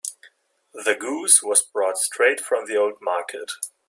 The goose was brought straight from the old market.